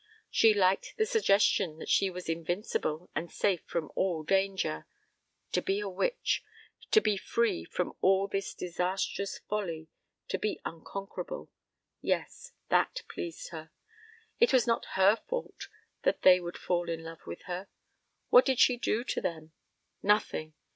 She liked the suggestion that she was invincible and safe from all danger to be a witch to be free from all this disastrous folly to be unconquerable. Yes, that pleased her. It was not her fault that they would fall in love with her. What did she do to them? Nothing.